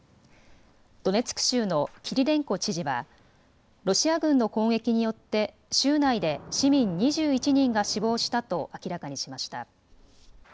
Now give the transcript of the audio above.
ドネツク州のキリレンコ知事はロシア軍の攻撃によって州内で市民２１人が死亡したと明らかにしました。